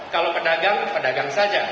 kalau pedagang pedagang saja